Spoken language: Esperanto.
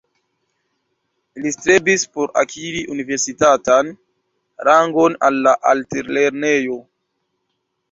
Li strebis por akiri universitatan rangon al la altlernejo.